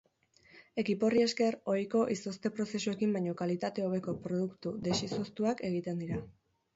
Ekipo horri esker, ohiko izozte-prozesuekin baino kalitate hobeko produktu desizoztuak egiten dira.